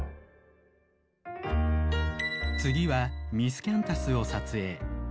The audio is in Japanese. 次はミスキャンタスを撮影。